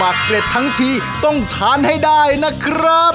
อร่อยเชียบแน่นอนครับอร่อยเชียบแน่นอนครับ